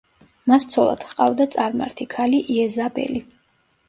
მას ცოლად ჰყავდა წარმართი ქალი იეზაბელი.